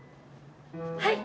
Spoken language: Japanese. はい！